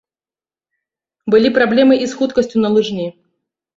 Былі праблемы і з хуткасцю на лыжні.